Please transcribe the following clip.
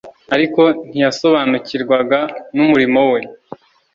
ariko ntiyasobanukirwaga n'umurimo we.